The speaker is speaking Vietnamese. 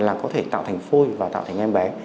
là có thể tạo thành phôi và tạo thành em bé